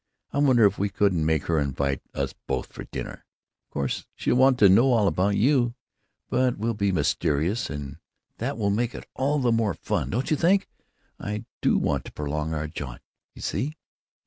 I wonder if we couldn't make her invite us both for dinner? Of course, she'll want to know all about you; but we'll be mysterious, and that will make it all the more fun, don't you think? I do want to prolong our jaunt, you see."